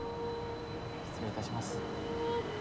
失礼いたします。